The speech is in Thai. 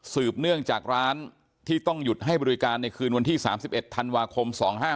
ืบเนื่องจากร้านที่ต้องหยุดให้บริการในคืนวันที่๓๑ธันวาคม๒๕๕๙